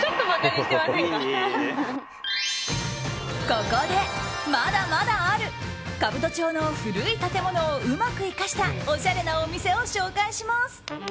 ここで、まだまだある兜町の古い建物をうまくいかしたおしゃれなお店を紹介します。